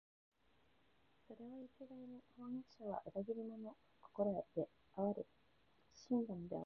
それを一概に「飜訳者は裏切り者」と心得て畏れ謹しんだのでは、